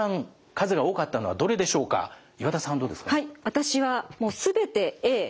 私はもう全てＡ。